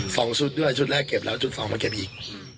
สองชุดด้วยชุดแรกเก็บแล้วชุดสองมาเก็บอีก